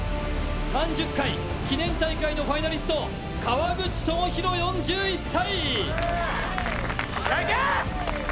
３０回記念大会のファイナリスト川口朋広４０歳。